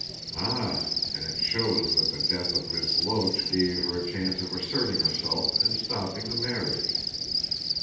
"Ah! And it shows that the death of Miss Loach gave her a chance of asserting herself and stopping the marriage."